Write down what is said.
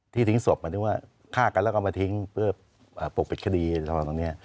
ทิ้งศพหมายถึงว่าฆ่ากันแล้วก็มาทิ้งเพื่อปกปิดคดีประมาณตรงนี้